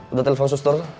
udah telfon suster